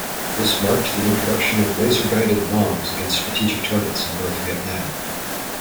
This marked the introduction of laser-guided bombs against strategic targets in North Vietnam.